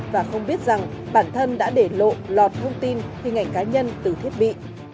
và không biết rằng bản thân đã để lộ lọt thông tin hình ảnh cá nhân từ thiết bị